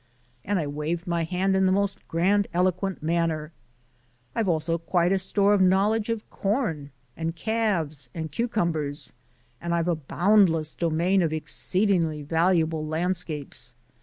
(And I waved my hand in the most grandiloquent manner.) "I've also quite a store of knowledge of corn and calves and cucumbers, and I've a boundless domain of exceedingly valuable landscapes.